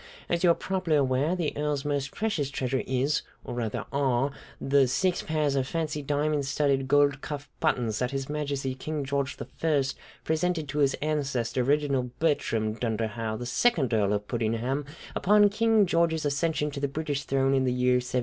As you are probably aware, the Earl's most precious treasure is, or, rather, are the six pairs of fancy, diamond studded, gold cuff buttons that His Majesty King George I presented to his ancestor, Reginald Bertram Dunderhaugh, the second Earl of Puddingham, upon King George's accession to the British throne in the year 1714.